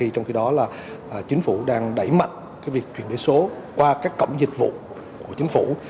trong khi đó chính phủ đang đẩy mạnh việc chuyển đổi số qua các cổng dịch vụ của chính phủ